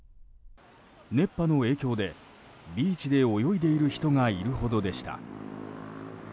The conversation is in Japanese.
熱波の影響でビーチで泳いでいる人がいるほどでした。